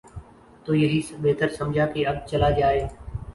تو یہی بہتر سمجھا کہ اب چلا جائے۔